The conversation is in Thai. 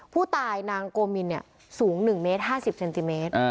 ผู้ตายนางโกมินเนี่ยสูงหนึ่งเมตรห้าสิบเซนติเมตร